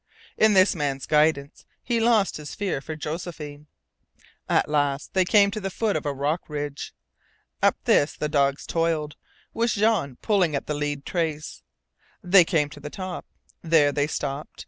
In this man's guidance he lost his fear for Josephine. At last they came to the foot of a rock ridge. Up this the dogs toiled, with Jean pulling at the lead trace. They came to the top. There they stopped.